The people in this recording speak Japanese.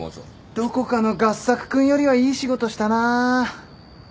どこかの合作君よりはいい仕事したな。